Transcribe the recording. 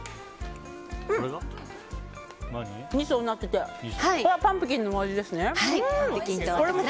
２層になっててこれはパンプキンのお味です。